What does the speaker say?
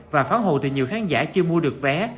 và phán hồ từ nhiều khán giả chưa mua được vé